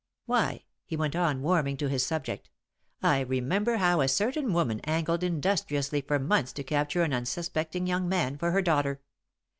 "Why," he went on, warming to his subject, "I remember how a certain woman angled industriously for months to capture an unsuspecting young man for her daughter.